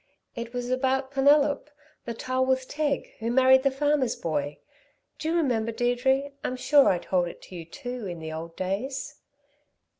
It was about Penelop, the tylwyth teg, who married the farmer's boy. Do you remember, Deirdre? I'm sure I told it to you, too, in the old days."